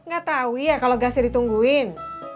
gatau iya kalo gak sih ditungguin